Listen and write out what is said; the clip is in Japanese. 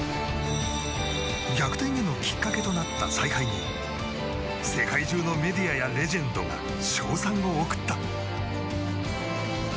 逆転へのきっかけとなった采配に世界中のメディアやレジェンドが称賛を送った。